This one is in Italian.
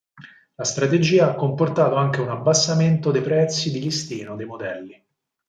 La strategia ha comportato anche un abbassamento dei prezzi di listino dei modelli.